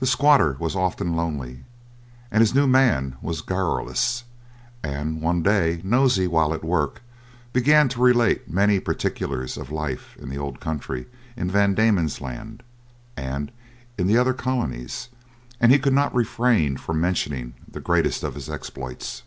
The squatter was often lonely, and his new man was garrulous, and one day Nosey, while at work, began to relate many particulars of life in the old country, in Van Diemen's Land, and in the other colonies, and he could not refrain from mentioning the greatest of his exploits.